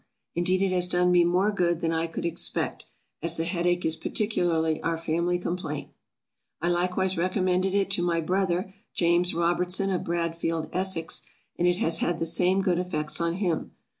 Indeed it has done me more good than I could expect, as the head ache is particularly our family complaint. I likewise recommended it to my brother, James Robertson, of Bradfield, Essex, and it has had the same good effects on him.